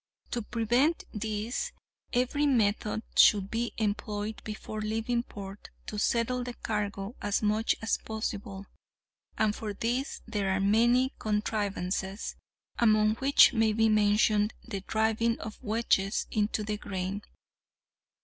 To prevent these, every method should be employed before leaving port to settle the cargo as much as possible; and for this there are many contrivances, among which may be mentioned the driving of wedges into the grain.